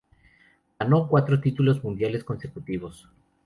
Ganó cuatro títulos mundiales consecutivos.